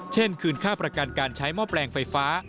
เช่นคืนค่าประกันการใช้หม้อแปลงไฟฟ้า